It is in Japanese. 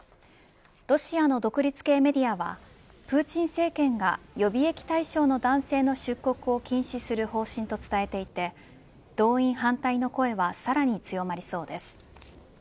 ロシアの独立系メディアはプーチン政権が予備役対象の男性の出国を禁止する方針と伝えていて動員反対の声はさらに強まりそうです。